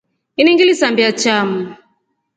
Ini ngilisambia chamu.